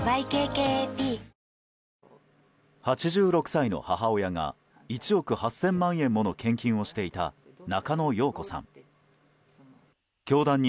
８６歳の母親が１億８０００万円もの献金をしていた中野容子さん。